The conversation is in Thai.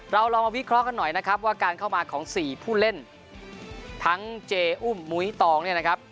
เราลองมาวิเคราะห์กันหน่อยนะครับว่าการเข้ามาของสี่ผู้เล่นทั้งเจอุ้มมุ้ยตองเนี่ยนะครับ